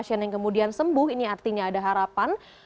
pasien yang kemudian sembuh ini artinya ada harapan